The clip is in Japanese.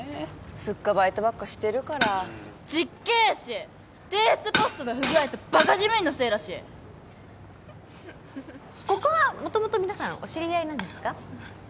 スッカバイトばっかしてるからうんちっげーし提出ポストの不具合とバカ事務員のせいだしここはもともと皆さんお知り合いなんですか？